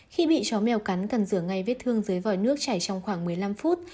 khi bị chó mèo cắn cần rửa ngay vết thương dưới vòi nước chảy trong khoảng một mươi năm phút